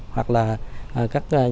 hoặc là các nguồn vốn lớn